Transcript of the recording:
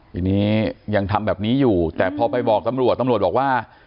ทีนี้ยังทำแบบนี้อยู่แต่พอไปบอกตำรวจตำรวจบอกว่า